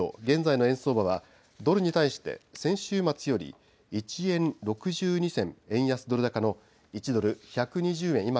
現在の円相場はドルに対して先週末より１円６２銭円安ドル高の１ドル１２０円